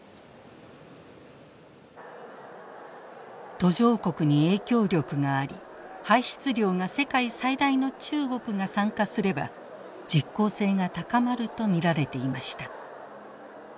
途上国に影響力があり排出量が世界最大の中国が参加すれば実効性が高まると見られていました。